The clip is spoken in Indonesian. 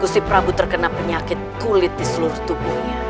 si prabu terkena penyakit kulit di seluruh tubuhnya